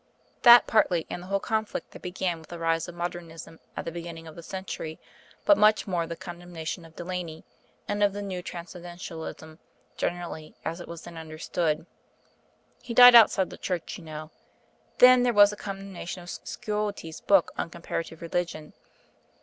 "That partly; and the whole conflict that began with the rise of Modernism at the beginning of the century but much more the condemnation of Delaney, and of the New Transcendentalism generally, as it was then understood. He died outside the Church, you know. Then there was the condemnation of Sciotti's book on Comparative Religion....